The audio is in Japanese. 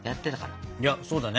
いやそうだね。